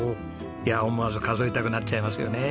いやあ思わず数えたくなっちゃいますよね。